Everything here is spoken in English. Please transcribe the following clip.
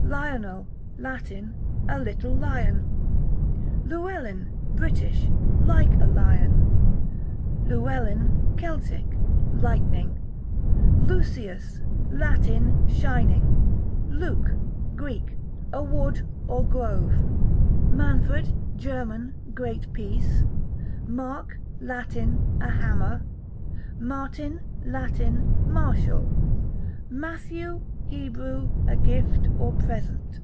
Lionel, Latin, a little lion. Llewellin, British, like a lion. Llewellyn, Celtic, lightning. Lucius, Latin, shining. Luke, Greek, a wood or grove. Manfred, German, great peace. Mark, Latin, a hammer. Martin, Latin, martial. Matthew, Hebrew, a gift or present.